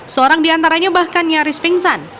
seorang di antaranya bahkan nyaris pingsan